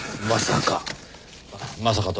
まさか。